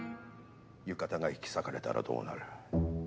浴衣が引き裂かれたらどうなる？